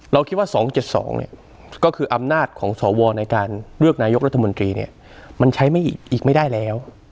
เราคิดว่า๒๗๒ก็คืออำนาจของสวในการเลือกนายกรัฐมนตรีเนี่ยมันใช้ไม่อีกไม่ได้แล้ว